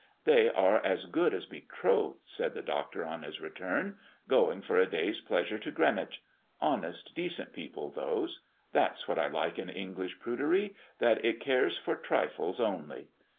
"They are as good as betrothed," said the Doctor, on his return. "Going for a day's pleasure to Greenwich; honest, decent people those. That's what I like in English prudery, that it cares for trifles only.